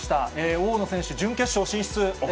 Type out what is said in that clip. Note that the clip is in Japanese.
大野選手、準決勝進出。